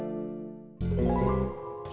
ya disanggup sanggupin